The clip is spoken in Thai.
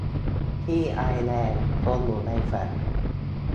ที่ไอร์แลนด์ คนอยู่ในแฟลต